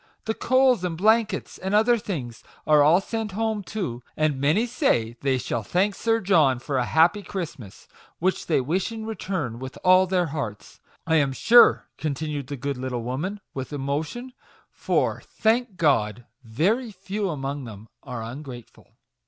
The coals and blankets, and other things, are all sent home too, and many say they shall thank Sir John for a happy Christmas; which they wish in return, with all their hearts, I am sure," 00 MAGIC WOEDS. continued the good little woman, with emotion ;" for, thank God, very few among them are ungrateful."